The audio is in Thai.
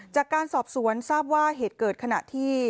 จากการสอบสวนทราบว่าเหตุเกิดขณะที่